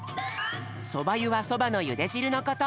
そばゆはそばのゆでじるのこと。